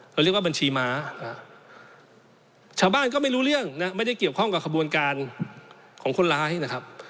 เรียกว่าบัญชีม้าชาวบ้านก็ไม่รู้เรื่องนะไม่ได้เกี่ยวข้องกับขบวนการของคนร้ายนะครับ